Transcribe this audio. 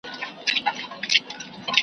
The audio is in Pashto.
نن ایله دهقان شیندلي دي تخمونه .